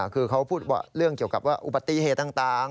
คือเขาพูดเรื่องเกี่ยวกับว่าอุบัติเหตุต่าง